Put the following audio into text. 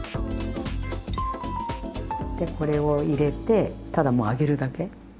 でこれを入れてただもう揚げるだけ。